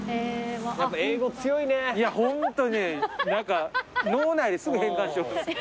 いやホントに何か脳内ですぐ変換しようとする。